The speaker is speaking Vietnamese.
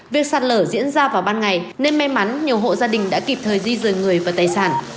việc sạt lở diễn ra vào ban ngày nên may mắn nhiều hộ gia đình đã kịp thời di rời người và tài sản